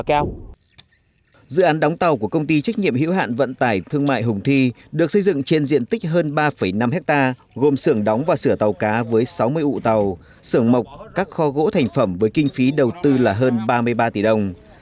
dự án đóng tàu của công ty trách nhiệm hữu hạn vận tải thương mại hùng thi được xây dựng trên diện tích hơn ba năm hectare gồm sưởng đóng và sửa tàu cá với sáu mươi ụ tàu sưởng mộc các kho gỗ thành phẩm với kinh phí đầu tư là hơn ba mươi ba tỷ đồng